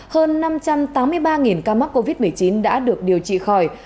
hơn năm trăm tám mươi ba ca mắc covid một mươi chín đã được điều trị khỏi